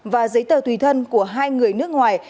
và giấy tờ tùy thân của hai người nước ngoài